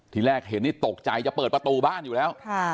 ทีแรกเห็นนี่ตกใจจะเปิดประตูบ้านอยู่แล้ว